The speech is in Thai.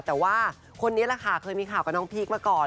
แต่ว่าคนนี้แหละค่ะเคยมีข่าวกับน้องพีคมาก่อน